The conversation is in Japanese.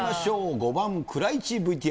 ５番、蔵イチＶＴＲ。